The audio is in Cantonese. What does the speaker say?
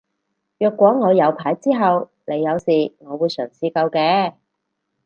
若果我有牌之後你有事我會嘗試救嘅